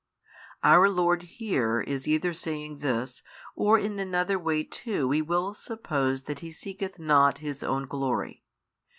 Our Lord here is either saying this, or in another way too we will suppose that He seeketh not His own glory.